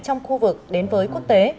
trong khu vực đến với quốc tế